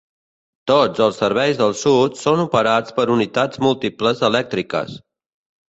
Tots els serveis del sud són operats per unitats múltiples elèctriques.